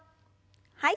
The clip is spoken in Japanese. はい。